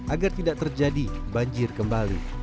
agar tidak terjadi banjir kembali